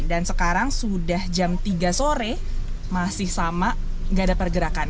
dan sekarang sudah jam tiga sore masih sama nggak ada pergerakan